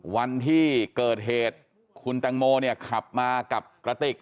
วันที่เกิดเหตุคุณแตงโมเนี่ยขับมากับกระติก